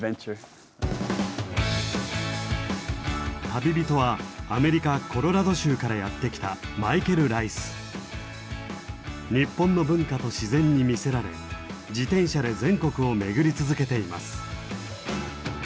旅人はアメリカ・コロラド州からやって来た日本の文化と自然に魅せられ自転車で全国を巡り続けています。